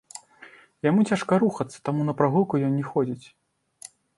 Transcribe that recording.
Яму цяжка рухацца, таму на прагулку ён не ходзіць.